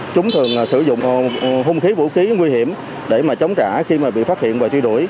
chúng thường sử dụng hung khí vũ khí nguy hiểm để mà chống trả khi mà bị phát hiện và truy đuổi